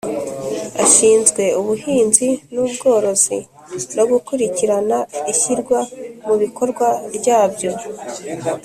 Ashinzwe ubuhinzi n’ubworozi no gukurikirana ishyirwa mu bikorwa ryabyo